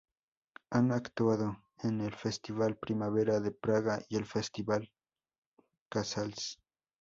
Han actuado en el Festival Primavera de Praga y el Festival Casals.